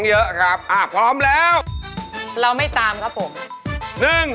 หนึ่งนั่นไม่ใช่หนึ่ง